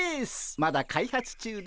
まだ開発中ですが。